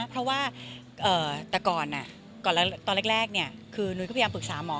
เพราะว่าตอนแรกเนี่ยหนูก็พยายามปรึกษามห่วง